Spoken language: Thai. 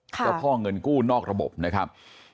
เจ้าพ่อเงินกู้นอกระบบนะครับ